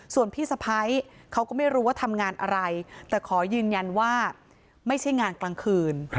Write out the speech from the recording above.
ส่วนพี่สะพ้ายเขาก็ไม่รู้ว่าทำงานอะไรแต่ขอยืนยันว่าไม่ใช่งานกลางคืน